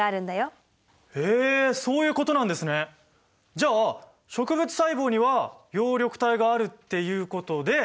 じゃあ植物細胞には葉緑体があるっていうことで。